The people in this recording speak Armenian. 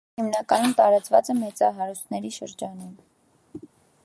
Այն հիմնականում տարածված է մեծահարուստների շրջանում։